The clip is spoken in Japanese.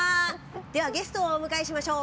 では、ゲストをお迎えしましょう。